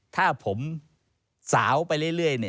ถ้าผมสาวไปเรื่อย